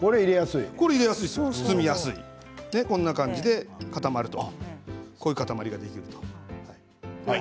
これ入れやすい包みやすいこんな感じで固まるとこういう塊ができると。